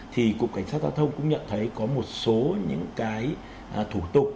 thì cục cảnh sát giao thông cũng nhận thấy có một số những cái thủ tục